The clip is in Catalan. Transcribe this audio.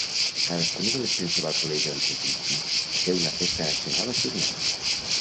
Cadascuna de les principals religions de Fidgi té una festa nacional assignada.